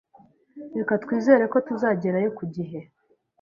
Reka twizere ko tuzagerayo ku gihe.